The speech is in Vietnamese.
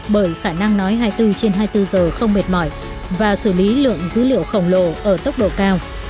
bởi khả năng nói hai mươi bốn trên hai mươi bốn giờ không mệt mỏi và xử lý lượng dữ liệu khổng lồ ở tốc độ cao